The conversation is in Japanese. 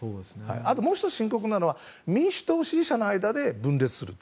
あと、もう１つ深刻なのは民主党支持者の間で分裂する。